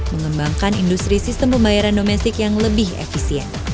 mengembangkan industri sistem pembayaran domestik yang lebih efisien